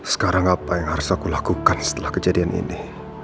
sekarang apa yang harus aku lakukan setelah kejadian ini